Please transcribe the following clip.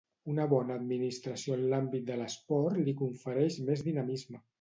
Una bona administració en l'àmbit de l'esport li confereix més dinamisme.